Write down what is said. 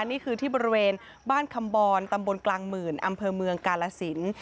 นี่คือที่บริเวณบ้านคำบรตำบลกลางหมื่นอำเภอเมืองกาลสิน